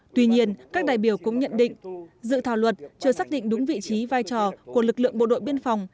tuy nhiên các đại biểu cũng nhận định dự thảo luật chưa xác định đúng vị trí vai trò của lực lượng bộ đội biên phòng